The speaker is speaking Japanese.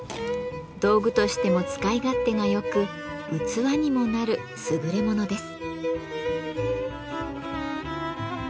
道具としても使い勝手がよく器にもなるすぐれものです。